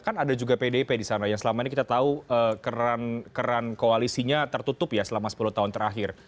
kan ada juga pdip di sana yang selama ini kita tahu keran koalisinya tertutup ya selama sepuluh tahun terakhir